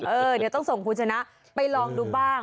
เออเดี๋ยวต้องส่งคุณชนะไปลองดูบ้าง